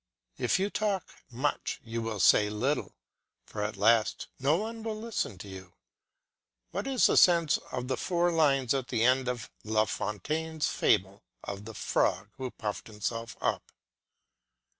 If you talk much you will say little, for at last no one will listen to you. What is the sense of the four lines at the end of La Fontaine's fable of the frog who puffed herself up.